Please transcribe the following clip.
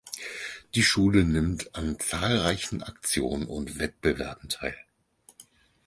Die Schule nimmt an zahlreichen Aktionen und Wettbewerben teil.